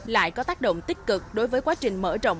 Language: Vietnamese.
lại có tác động tích cực đối với quá trình mở rộng